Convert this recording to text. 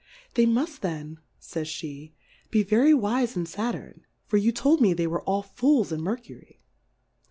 They muft then, fays fie^ be very wife, in Saturn^ for you told me they were all Fools in Mercury.